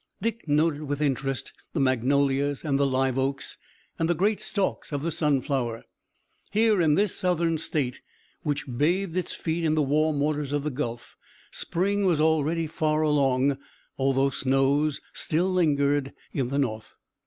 Dick noted with interest the magnolias and the live oaks, and the great stalks of the sunflower. Here in this Southern state, which bathed its feet in the warm waters of the Gulf, spring was already far along, although snows still lingered in the North.